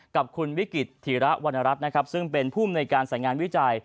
กับคุณวิกฤติถีระวัณรัฐซึ่งเป็นผู้ในการสายงานวิจัย